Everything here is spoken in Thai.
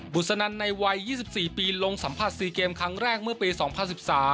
สนันในวัย๒๔ปีลงสัมผัส๔เกมครั้งแรกเมื่อปี๒๐๑๓